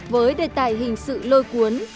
với đề tài hình sự lôi cuốn